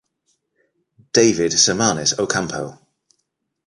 "David Samanez Ocampo".